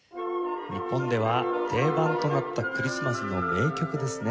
日本では定番となったクリスマスの名曲ですね。